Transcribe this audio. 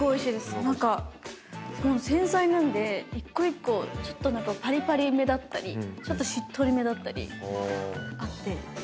繊細なんで一個一個ちょっとパリパリめだったりちょっとしっとりめだったりあって。